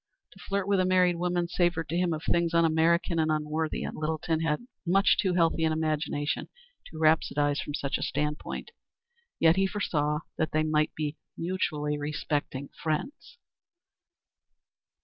To flirt with a married woman savored to him of things un American and unworthy, and Littleton had much too healthy an imagination to rhapsodize from such a stand point. Yet he foresaw that they might be mutually respecting friends.